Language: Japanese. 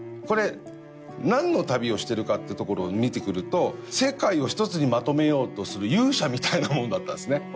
これ何の旅をしてるかっていうところを見てくると世界を一つにまとめようとする勇者みたいなもんだったんですね